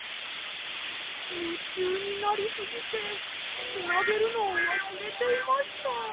むちゅうになりすぎてつなげるのをわすれていました。